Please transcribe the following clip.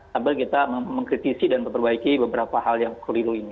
sambil kita mengkritisi dan memperbaiki beberapa hal yang keliru ini